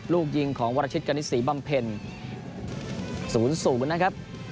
ลูกยิงของวรชิตกณิษฐ์สีบ้ำเพลศูนย์สูงนะครับ